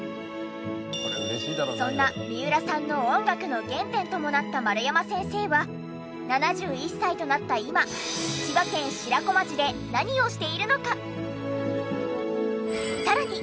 そんな三浦さんの音楽の原点ともなった丸山先生は７１歳となった今千葉県白子町で何をしているのか？